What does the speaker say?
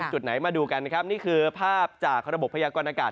จุดไหนมาดูกันนะครับนี่คือภาพจากระบบพยากรณากาศ